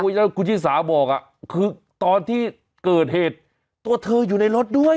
แล้วคุณชิสาบอกคือตอนที่เกิดเหตุตัวเธออยู่ในรถด้วย